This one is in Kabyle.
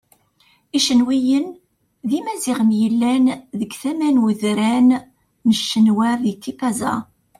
Icenwiyen d Imaziɣen yellan deg tama n udran n Cenwa di Tipaza.